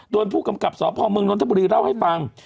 โดนผู้กำกับสพมนตบุรีเล่าให้ฟัง